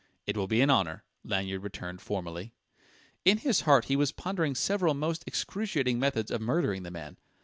"It will be an honour," Lanyard returned formally.... In his heart he was pondering several most excruciating methods of murdering the man.